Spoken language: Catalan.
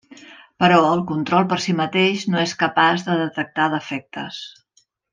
Però, el control per si mateix no és capaç de detectar defectes.